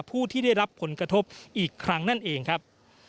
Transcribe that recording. ผู้ที่ได้รับผลกระทบอีกครั้งนั่นเองครับ